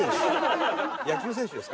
野球選手ですか？